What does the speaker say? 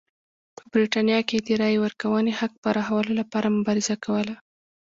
په برېټانیا کې یې د رایې ورکونې حق پراخولو لپاره مبارزه کوله.